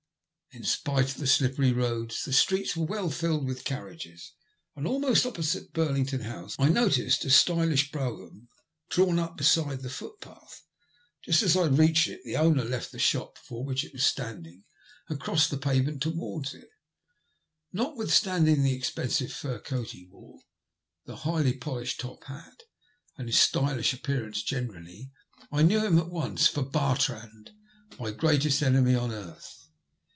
Li spite of the slippery roads, the streets were well filled with carriages, and almost opposite Burlington House I noticed a stylish brougham drawn up beside the footpath. Just as I reached it the owner left the shop before which it was standing, and crossed the pavement towards it. Notwithstanding the expensive fur coat he wore, the highly polished top hat, and his stylish appearance generally, I knew him at once for Bartrand, my greatest enemy on earth.